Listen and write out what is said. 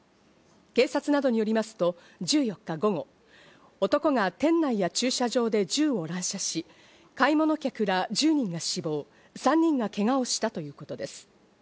警察などによりますと、１４日午後、男が店内や駐車場で銃を乱射し、買い物客ら１０人が死亡、３人がけがをしたということです。